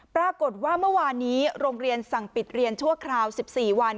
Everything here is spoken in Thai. ปรากฏว่าเมื่อวานนี้โรงเรียนสั่งปิดเรียนชั่วคราว๑๔วัน